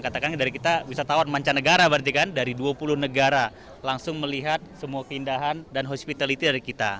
katakan dari kita wisatawan mancanegara berarti kan dari dua puluh negara langsung melihat semua keindahan dan hospitality dari kita